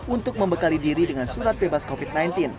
untuk membekali diri dengan surat bebas covid sembilan belas